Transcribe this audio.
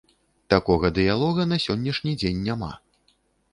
Такога дыялога на сённяшні дзень няма.